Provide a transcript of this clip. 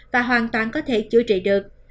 và hoàn toàn có thể chữa trị được